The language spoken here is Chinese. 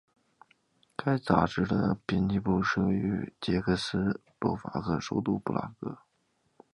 该杂志的编辑部设于捷克斯洛伐克首都布拉格。